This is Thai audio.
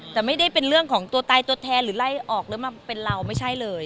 แต่ไม่ได้เป็นเรื่องของตัวตายตัวแทนหรือไล่ออกหรือมาเป็นเราไม่ใช่เลย